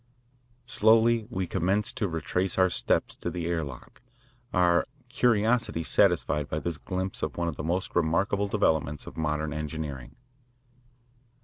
Slowly we commenced to retrace our steps to the air lock, our curiosity satisfied by this glimpse of one of the most remarkable developments of modern engineering.